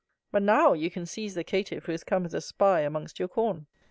But now you can seize the caitiff who is come as a spy amongst your corn.